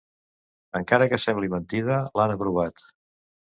Encara que sembli mentida, l'han aprovat.